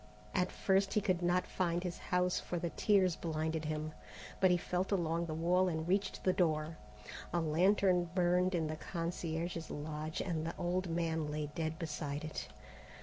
At first he could not find his house, for the tears blinded him, but he felt along the wall and reached the door. A lantern burned in the concierge's lodge and the old man lay dead beside it.